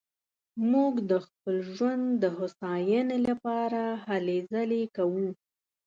موږ د خپل ژوند د هوساينې لپاره هلې ځلې کوو